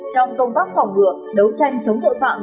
trong công tác phòng ngừa đấu tranh chống tội phạm